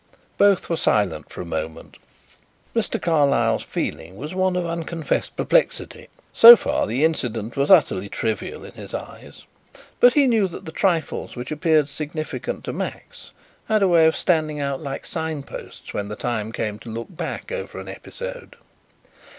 Both were silent for a moment. Mr. Carlyle's feeling was one of unconfessed perplexity. So far the incident was utterly trivial in his eyes; but he knew that the trifles which appeared significant to Max had a way of standing out like signposts when the time came to look back over an episode.